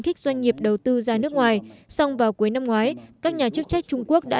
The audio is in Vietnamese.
kích doanh nghiệp đầu tư ra nước ngoài song vào cuối năm ngoái các nhà chức trách trung quốc đã